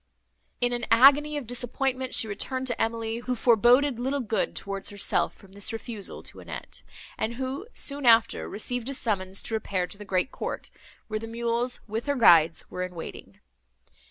In an agony of disappointment, she returned to Emily, who foreboded little good towards herself, from this refusal to Annette, and who, soon after, received a summons to repair to the great court, where the mules, with her guides, were in waiting.